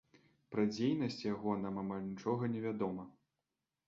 Пра дзейнасць яго нам амаль нічога не вядома.